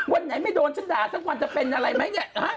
วันไหนไม่โดนฉันด่าสักวันจะเป็นอะไรไหมเนี่ย